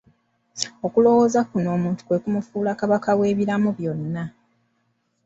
Okulowooza kuno omuntu kwe kumufuula kabaka w'ebiramu byonna.